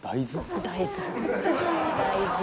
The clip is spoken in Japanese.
大豆？